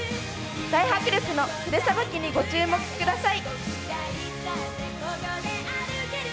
大迫力のふるさと旗にご注目ください。